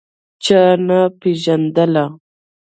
چا نه پېژندله.